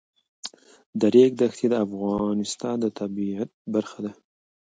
د ریګ دښتې د افغانستان د طبیعت برخه ده.